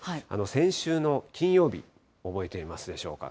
先週の金曜日、覚えていますでしょうか。